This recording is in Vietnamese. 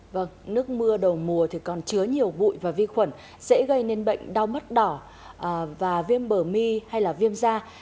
vâng nước mưa đầu mùa thì còn chứa nhiều bụi và vi khuẩn sẽ gây nên bệnh đau mắt đỏ và viêm bở my hay là viêm da